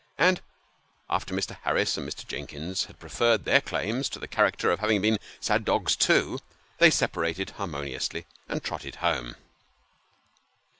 And after Mr. Harris and Mr. Jennings had preferred their claims to the character of having been sad dogs too, they separated harmoniously, and trotted home.